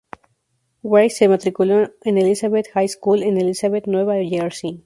Wright se matriculó en Elizabeth High School en Elizabeth, Nueva Jersey.